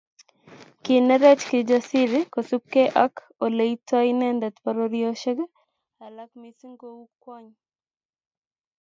Kinerech Kijasiri kosubkei ak Ole ibtoi inendet pororiosiek alak missing ko kou kwony